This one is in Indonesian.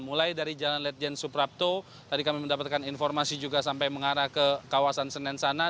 mulai dari jalan ledjen suprapto tadi kami mendapatkan informasi juga sampai mengarah ke kawasan senen sana